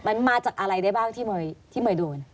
มันมาจากอะไรได้บ้างที่เมย์โดน